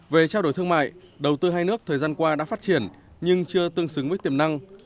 về trao đổi thương mại đầu tư hai nước thời gian qua đã phát triển nhưng chưa tương xứng với tiềm năng